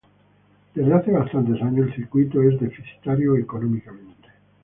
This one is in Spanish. Desde hace bastantes años, el circuito es deficitario económicamente.